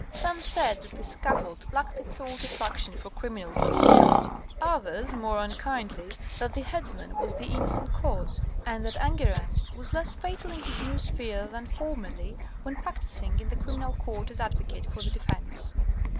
Some said that the scaffold lacked its old attraction for criminals of spirit; others, more unkindly, that the headsman was the innocent cause, and that Enguerrand was less fatal in his new sphere than formerly, when practising in the criminal court as advocate for the defence.